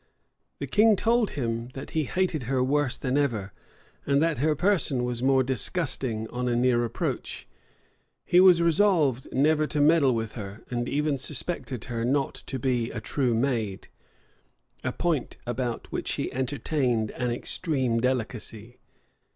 The king told him, that he hated her worse than ever; and that her person was more disgusting on a near approach; he was resolved never to meddle with her: and even suspected her not to be a true maid: a point about which he entertained an extreme delicacy.